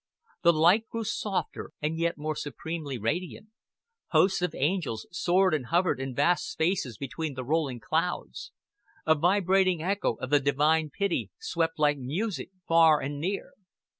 The light grew softer and yet more supremely radiant; hosts of angels soared and hovered in vast spaces between the rolling clouds; a vibrating echo of the divine pity swept like music far and near.